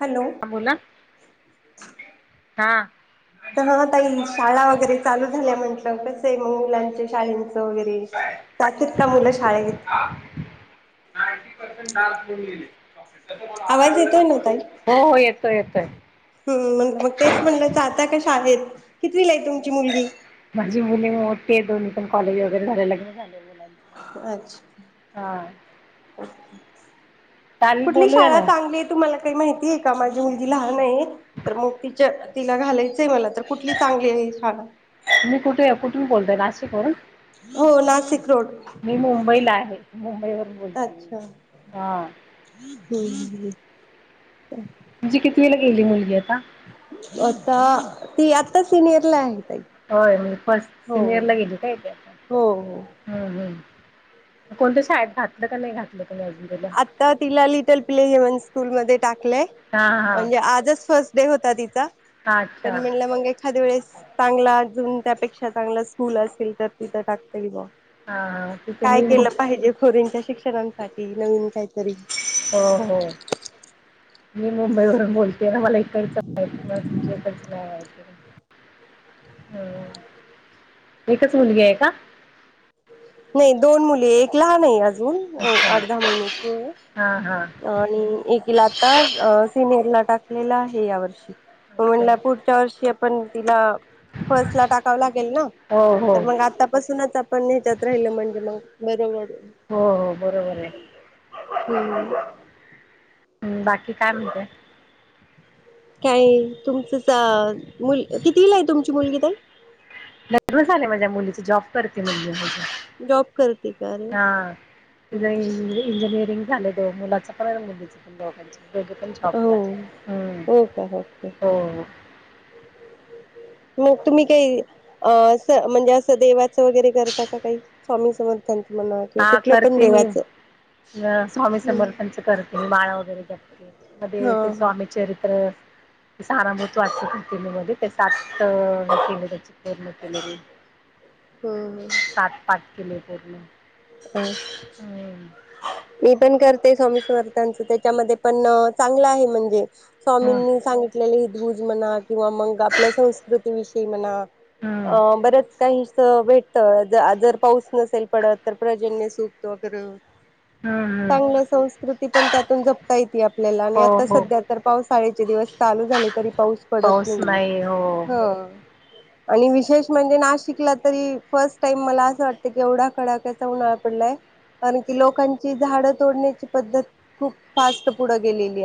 Hello हा बोला हा हा ताई शाळा वगैरे चालू झाल्या म्हंटलं कसं आहे मग मुलांच्या शाळेचं वगैरे जातेत का मुलं शाळेत नांटी पर्सेंट डार्क घेऊन गेलेत आवाज येतोय चॉकलेट हो हो येतोय येतोय येतोय हम मग तेच म्हणलंय जाताय का शाळेत कितवीला आहे तुमची मुलगी माझी मुली मोठी आहे दोन्ही पण कॉले वैररे झालंय लग्न झाले मुलांचे हा अच्छा चालेल कुठली बोलूया शाळा ना चांगली आहे तुम्हाला काही माहिती आहे का माझी मुलगी लहान आहे तर मग ति तिला घालायचंय मला तर कुठली चांगली आहे शाळा तुम्ही कुठून बोलताय नाशिक वरून हो नाशिक रोड मी मुंबईला आहे मुंबईवरून बोलते मी अच्छा हा ह् [inaudible] तुमची कितवीला गेली मुलगी का आता ती आता सिनियरला आहे ताई होय फर्स्ट हो सिनियरला गेली काय ते हो हो आता हम् कोणत्या शाळेत घातलं का नाही घातलं तुम्ही अजून तिला आता तिला लिटल प्ले ह्युमन स्कूल मध्ये टाकलंय. हा हा म्हणजे आजच फर्स्ट डे होता तिचा हा तर अच्छा म्हणलं मग एखाद्या वेळेस चांगला अजून त्यापेक्षा चांगला स्कूल असेल तर तिथं टाकता येईल मग. हा तिथे काय मी केलं हो पाहिजे पोरींच्या शिक्ष शिक्षणा साठी नवीन काहीतरी. हो मी मुंबई वरून बोलते ना मला इकडच माहिती आहे. तुमच्या इकडच नाय माहिती नाही. आहे ह एकच मुलगी आहे का? नाही दोन मुली एक लहान आहे आ अजून अच्छा आठ दहा महिन्याची आहे. हा हा आणि एकीला आत्ता सिनियर ला टाकलेल आहे या वर्षी. हो अच्छा ना पुढच्या वर्षी पण तिला फर्स्ट ला टाकावं लागेल ना हो हो तर मग आतापासूनच आपण ह्याच्यात राहिल म्हणजे मग बरोबर. हो हो बरोबर आहे. हम. [unintelligible] हम्म बाकी काय म्हणते. काय तुमचाच मुल कितवी ला आहे तुमची मुलगी तई. लग्न झालंय माझ्या मुलीच जॉब करते मुलगी [unintelligible] जॉब करते का अरे [inaudible] हा हो तिला इंजि इंजिनीरिंग लग्न झालंय दो मुलाचा पन मुलीच पण दोघांच पण. दोघे पण जॉब ला आहेत. हम हो का ओके ओके हो. मग तुम्ही काही अ अस म्हणजे असं देवाचं वगैरे करता का काही स्वामी समर्थानच. हा करते मी स्वामी समर्थांच करते. माळ वगैरे जपते. हा मध्ये ते हा स्वामी चरित्र सारामृत वाचत होते मी मध्ये ते सात केले त्याची पूर्ण केलेली हम्म केले पूर्ण. हम् मी पण करते स्वामी समर्थांचं त्याच्यामध्ये पण चांगलं आहे म्हणजे हम्म स्वामींनी सांगितलेले दूज म्हणा किंवा मग आपल्या संस्कृतीविषयी म्हणा. हम्म अ बरेच काही त भेटत जर पाऊस नसेल पडत तर प्रजन्य सुक्त वगैरे हम्म हम्म चांगल्या संस्कृती ती पण त्यातून जपता येत की आपल्याला आणि हो आता हो सध्या तर पावसाळ्याचे दिवस चालू झाले तरी पडत पाऊस नाहीये नाही हो बर ह आणि विशेष म्हणजे नाशिकला तरी फर्स्ट टाइम मला असं वाटतं की एवढा कडाक्याचा उन्हाळा पडलाय कारण की लोकां ची झाड तोडण्याची पद्धत खूप फास्ट पुढं गेलेली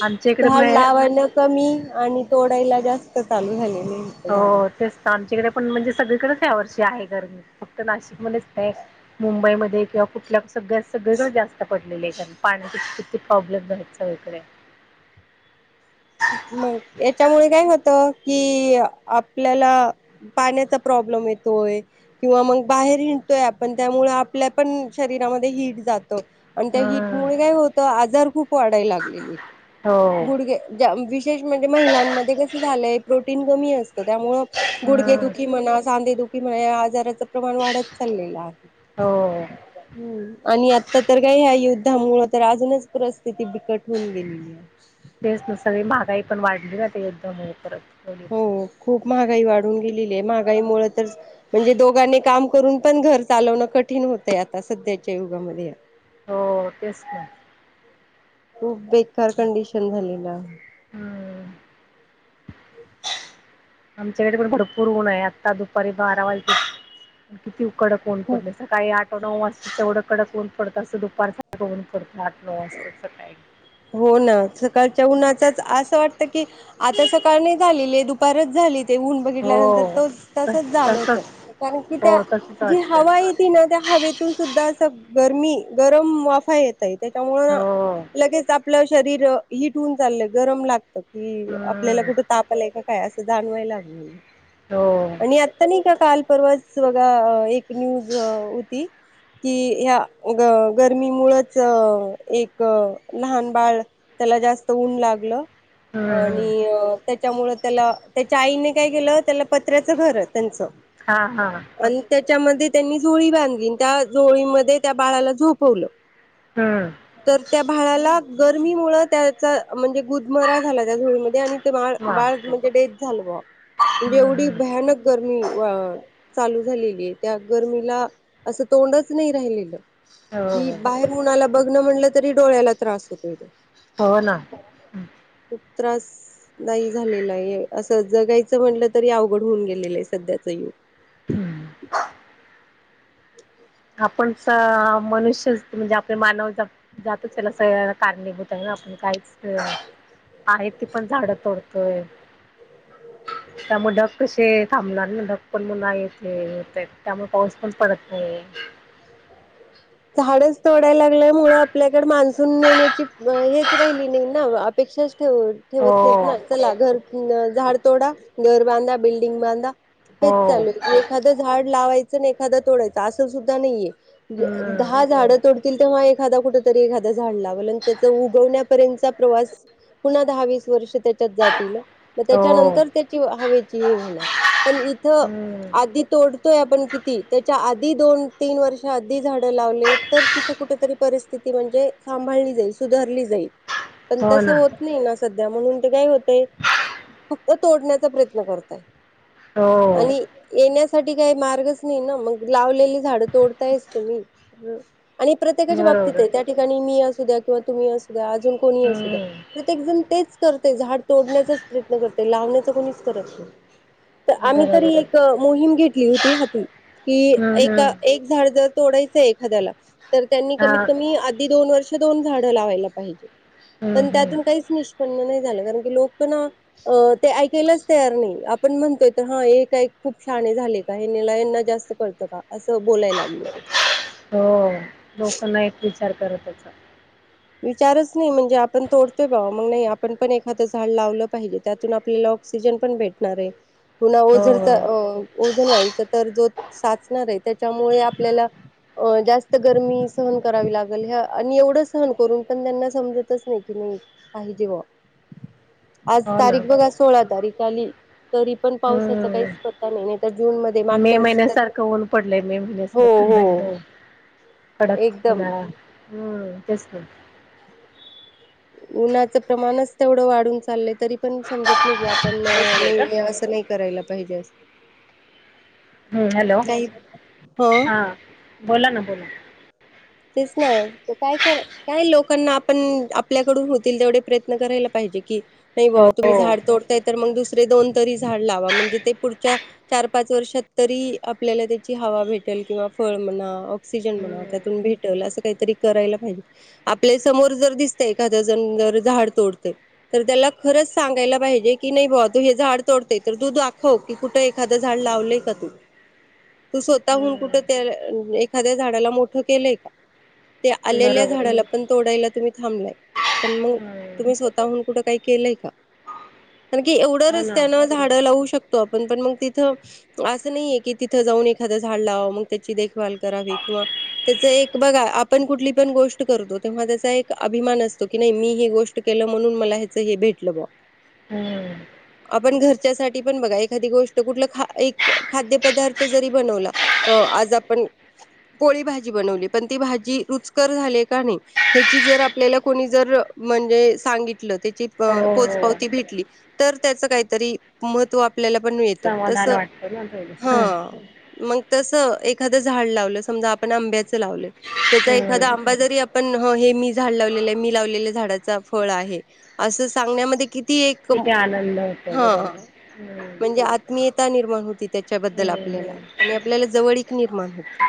आमच्या इकडे पण झाड आहे लावायला कमी आणि तोडायला जास्त चालू झाले हो तेच त आमच्याकडे पण म्हणजे सगळीकडेच या वर्षी आहे गरमी फक्त नाशिक मध्येच नाही मुंबईमध्येध्ये किंवा कुठल्या सगळ्या सगळीकडे जास्त पडलेली आहे कारण पाण्याचा किती प्रॉब्लेम आहेत सगळीकडे मग याच्यामुळे काय होत कि आपल्याला पाण्याचा प्रॉब्लेम येतोय किंवा मग बाहेर हिंडतोय आपण त्यामुळे आपल्या पण शरीरामध्ये हिट जात आणि त्या हीट मु हम्म काय होत आजार खूप वाढायला लागले इथ हो गुडगे विशेष म्हणजे महिलांमध्ये कसं झालंय प्रोटीन कमी असत त्यामुळे गुडघे हम्म दुखी म्हणा सांदे दुखी म्हणा किती वेळा आजाराच प्रमाण वाढत चाललेलं आहे हो हम् आणि आता तर काय ह्या युद्धामुळ तर अजूनच परिस्थिती बिकट होऊन गेलेली आहे तेच ना सगळी महागाई पण वाढली दिल ते एक दोन वेळेस परत थोडी हो खूप महागाई वाढ.. ही वाढून हम्म. टिली म्हणजे दोघनी काम करून पण घर चालवणं कठीण होतंय आता सध्याच्या युगामध्ये हो तेच ना खूप बेकार कंडिशन झाली ना हम्म आमच्या भरपूर ऊन आहे आत्ता दुपारी बारा वाजे खूप कडक ऊन खूप पडल सकाळी आठ तेवढं कडक ऊन पडतं असं दुपार सारख ऊन पडत हो ना सकाळच्या उन्हाचाच असं वाटत की आता सकाळ नाही झालेली दुपारच झाली ते ऊन हो बघितल्यानंतर तो तसच तस जाणवत तसच कारण की हो त्या तसच जी वाटतं हवा येती ना त्या हवेतून सुद्धा स गरमी गरम वाफा येतायेत त्याच्यामुळे हो लगेच आपलं शरीर हिट होऊन चाललंय गरम लाग की आपल्याला हम्म कुठं ताप आलाय का काय अस तर जाणवायलाग हो हम्म आणि आता नाही का काल परवाच बघा एक न्यूज होती की ह्या गरमीमुळेच एक लहान बाळ त्याला जास्त ऊन लागलं हम्म आणि त्या त्यामुळे त्याला त्याच्या आईने काय केलं त्याला पत्र्याचं घर त्यांचं हा हा आणि त्याच्यामध्ये त्यांनी जोळी बांधली त्या जोळीमध्ये त्या बाळाला झोपवलं हम्म तर त्या भाड्याला गरमी मुळ त्याचा म्हणजे गुदमरा झाला त्या झोळीमध्ये आणि बा बाळ बापरे हम्म म्हणजे डेथ झाल म्हणजे एवढी हम्म भयानक गरमी अ चालू झालेली आहे त्या गर्मीला असं तोंडच नाही राहिलेलं कि हो बाहेर मुणाला बघण म्हटलं तरी डोळ्याला त्रास होतोयथो हो ना त्रास नाही झालेला आहे असं जगायचं म्हटलं तरी अवघड होऊन गेलेलं आहे सध्याच युग आपण मनुष्य म्हणजे आपले मानव जातच त्याला सगळना कारणीभूत आहे ना आपण काहीच आहे तेी पण झाडं तोडतोय त्यामुळे ढग कसे थांबणार ना ढग पण म्ह ते य त्यामुळे पाऊस पण पडत नाही झाडच तोडाय लागल्या मु आपल्याकडे मान्सून नेण्याची हेच राहिली नाही ना अपेक्षा ठेव हो ठेवत नाही ना चला घर हड तोडा घर बनध बिल्डिंग बनधदा हेच हो चालू आहे की एखादं झाड लावायचं एखादा तोडायचं असं सुद्धा नाहीये हम्म दहा झाड तोडतील तेव्हा एखादा कुठ तरी एखादा झाडला त्याच उगवण्यापर्यंतचा प्रवास पुन्हा दहा वीस वर्ष त्याच्यात जातील मग हो त्याच्यानंतर ह पण इथ हम्म आधी तोडतोय आपण किती त्याच्या आधी दोन तीन वर्ष झाड लावले तर तिथ कुठेतरी परिस्थिती म्हणजे सांभाळली जाईल सुधारली जाईल पण हो तसं ना होत नाही ना सध्या म्हणून ते काय होतय फक्त तोडण्याचा प्रयत्न करताय हो आणि येण्यास साठी काही मार्गच नाही ना मग लावलेले झाड तोडतायस त म हम आणि प्रत्येकाच्या बाबतीत बरोबर आहे त्या ठिकाणी मी ्या किंवा तुम्ही असू द्या अजून कोणी असू द्या हम्म प्रत्येक जण तेच करते झाड तोडण्याचाच प्रयत्न करते लावण्याचा कोणीच करत नाही तर आम्ही तरी बरोबर आहे. एक मोहीम घेत लि होती त [unintelligible] कि हम्म एका हम्म एक झाड जर तोडायचंय एखाद्याला तर त्यांनी हा कमीत कमी आधी दोन वर्ष दोन झाडं लावायला पाहिजे हम्म पण हम्म त्यातून काहीच निष्पन्न नाही झालं कारण की लोक पण ते ऐकायलाच तयार नाही आपण म्हणतोय तर हा हे काय खूप शान झाले काना जास्त कळतं का असं बोलायला लागले ते हो लोकांना एक विचार करत त्याचछा विचारच नाही म्हणजे आपण तोडतोय बाबा मग नाही आपण पण एखादं झाड लावलं पाहिजे त्यातून आपल्याला ऑक्सिजन पण भेटणार आहे पुन व हो, जर तर अ ओजन व्हायच तर जो साचणार आहे त्याच्यामुळे आपल्याला अ जास्त गरमी सहन करावी लागेल ह्या आणि एवढंच सहन करून पण त्यांना समजतच नाही कि नाही पाहिजे बुवा आज हो ना. तारीख बघा सोळा तारीख ाली तरी पण पावसाचा हम्म. काहीच पत्ता नाही तर जून मध्ये मे मागच्या वर्षी तरी महिन्यासारखं ऊन पडलंय मे हो महिन्यासारखं नाहीदा हो कडकला एकदम हम् बसत उन्हाचं प्रमाणच तेवढं वाढून चाललं तरी पण समजत नाही घ आप पण एक मिनिट हं. नाही असं नाही करायला पाहिजे अस हम्म हॅलो नाही हा बोला ना बोला तेच ना काय कर काय लोकांना आपण आपल्याकडून होतील तेवढे प्रयत्न करायला पाहिजे कि नाही बुवा हो, तुम्ही झाड तोडताय तर मग दुसरे दोन तरी झाड लावा म्हणजे ते पुढच्या चार पाच वर्षात तरी आपल्याला त्याची हवा भेटेल किंवा फळ म्हणा ऑक्सिजन म्हणा हम्म. त्यातून भेट असं काहीतरी करायला पाहिजे आपल्या समोर जर दिसत एखादं जण जर झाड तोडत तर त्याला खरंच सांगायला पाहिजे की नाही बावा तू हे झाड तोडतेय तर तू दाखव की कुठं एखादं झाड लावलंय का तू तू स्वतःहून कुठ हम्म, त्या एखाद्या झाडाला मोठं केलंय का ते आलेल्या बरोबर आहे. झाडाला पण तोडायला तुम्ही थांबय पण मग हम्म, तुम्ही स्वतःहून कुठ काही केलंय का कारण की एवढं हो ना. रस्त्यान झाड लावू शकतो आपण पण मग तिथं असं नाहीये कि तिथ जाऊन एखाद झाड लावावं मग त्याची देखभाल करावी किंवा त्याच एक बघा आपण कुठली पण गोष्ट करतो तेव्हा त्याचा एक अभिमान असतो की नाही मी हे गोष्ट केलं म्हणून मला ह्याच हे भेटलं बुवा हम्म, आपण घरच्या सा पण बघा एखादी गोष्ट कुठ ख एक खाद्य पदार्थ जरी बनवला आज आपण पोळी भाजी बनवली ण ती भाजी रुचकर झाली का नाही हची जर आपल्याला कोणी जर म्हणजे सांगितलं हो, पोच हो. पावती भेटली तर त्याचं काहीतरी महत्त्व आपल्याला पण मिळत तस समाधान वाटतं ना थोडस. हा मग तस एखादं झाड लावलं समजा आपण आंब्याच सलल त्याचा हम्म, एखादा आंबा जरी पण हे मी झाड लावलेलं आहे मी लावलेल्या झाडाचा फळ आहे असं सांगण्यामध्ये कि किती आनंद होतो बरोबर आहे. हम्म, म्हणजे आत्मीयता निर्माण पण होती त्याच्याबद्दल हम्म, आपल्याला हम्म. आणि आपल्याला जवळीक निर्माण होती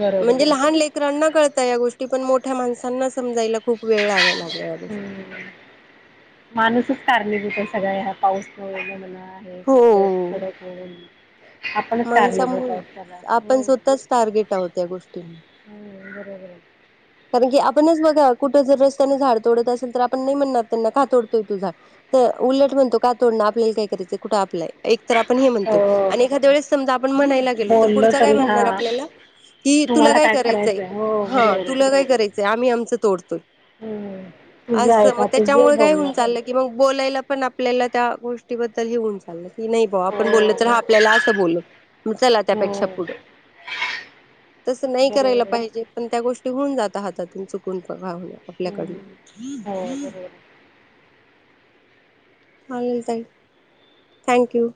बरोबर. म्हणजे लहान लेकरांना कळत या गोष्टी पण मोठ्या माणसांना समजायला खूप वेळ लागायला लागला या गोष्टी हम्म माणूसच कारलेली तर सगळ्या ह्या पाऊस मूळे हो [unintelligible] माणसामुळे आपण हो ना. स्वतःच टार्गेट आहोत त्या गोष्टी. हम्म बरोबर. कारण की आपणच बघा कुठ जर रस्त्याने झाड तोडत असेल तर आपण नाही म्हणणार त्यांना का तोडतोय तो झाड तर उलट म्हणतो का तोडण आपल्याला काय करायचय कुठ आपलय एक तर आपण हे म्हणतोय अ आणि एखाद्या वेळेस समजा आपण म्हणायला गेलो तर पुढ बोललो काय तरी हा म्हणणार आपल्याला कि तुला तुम्हाला काय करायचय करायचंय हो हा. बरोबर आहे. काय करायचय आम्ही आमच तोडतोय हम्म तुझं अस आहे म का त्याच्या तुझे मुळे काय होऊन बोलणार चाल की मग बोलायला पण आपल्याला त्या गोष्टीबद्दल हे होऊन चाल. कि नाही भाऊ हो आपण बोलल तर हा आपल्याला बोल. चला हो त्यापेक्षा पुढं. तस नाही करायला बरोबर आहे. पाहिजे पण त्या गोष्टी चुकून जात हातातून चुकून बावन हम्म आपल्याकडनं. हो बरोबर आहे. चालेल ताई थँक यू.